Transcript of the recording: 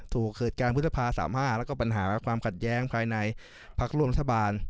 ถูกเกิดการพื้นภาพสามารถแล้วก็ปัญหาความขัดแย้งภายในพรรครวมรัฐบาล